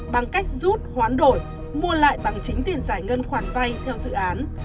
bằng cách rút hoán đổi mua lại bằng chính tiền giải ngân khoản vay theo dự án